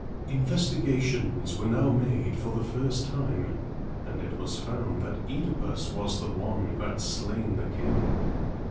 Investigations were now made for the first time, and it was found that OEdipus was the one who had slain the king.